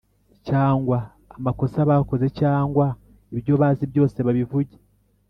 cyangwa amakosa bakoze cyangwa ibyo bazi byose babivuge